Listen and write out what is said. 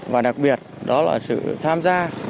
và đặc biệt đó là sự tham gia